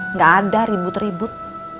nggak ada ribut ribut